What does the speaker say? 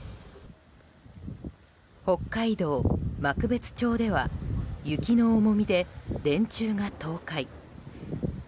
北海道幕別町では雪の重みで電柱が倒壊。